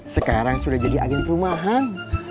sekarang sudah jadi agen perumahan